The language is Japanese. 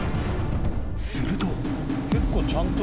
［すると］